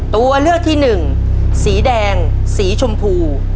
ตัวเลือกที่หนึ่งสีแดงสีชมพู